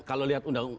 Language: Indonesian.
kalau lihat undang